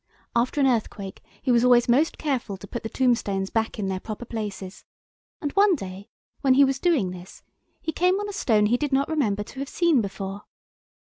After an earthquake he was always most careful to put the tombstones back in their proper places, and one day, when he was doing this, he came on a stone he did not remember to have seen before.